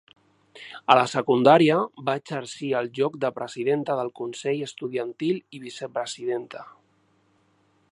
A la secundària, va exercir el lloc de presidenta del consell estudiantil i vicepresidenta.